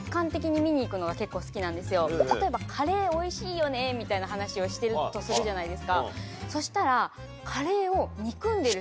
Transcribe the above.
例えばカレーおいしいよねみたいな話をしてるとするじゃないですか。